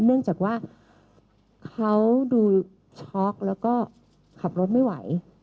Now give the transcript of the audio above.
เนื่องจากว่าเขาดูช็อกแล้วก็ขับรถไม่ไหว